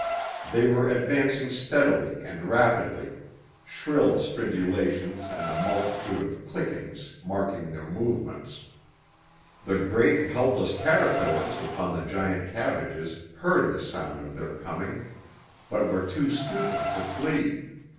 They were advancing steadily and rapidly, shrill stridulations and a multitude of clickings marking their movements. The great helpless caterpillars upon the giant cabbages heard the sound of their coming, but were too stupid to flee.